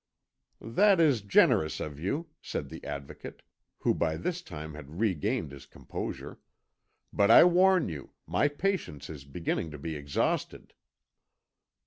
"That is generous of you," said the Advocate, who by this time had regained his composure; "but I warn you my patience is beginning to be exhausted."